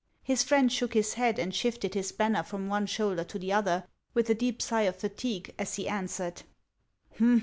377 His friend shook his head and shifted his banner from one shoulder to the other, with a deep sigh of fatigue, as he answered :—" Hum